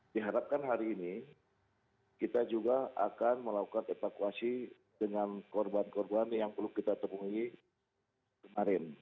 diharapkan hari ini kita juga akan melakukan evakuasi dengan korban korban yang perlu kita temui kemarin